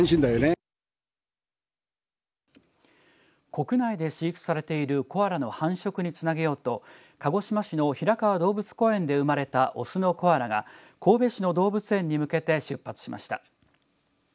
国内で飼育されているコアラの繁殖につなげようと鹿児島市の平川動物公園で生まれた雄のコアラが神戸市の動物園に向けて出発しました。